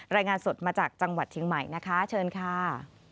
รายงานสดมาจากจังหวัดเชียงใหม่นะคะเชิญค่ะ